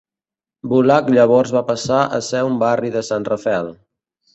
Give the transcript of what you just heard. Bulak llavors va passar a ser un barri de San Rafael.